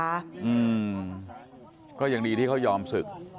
อืมก็ยังดีที่เขายอมศึก